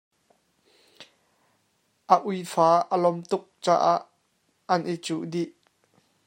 A uifa a lom tuk caah an i cuh dih.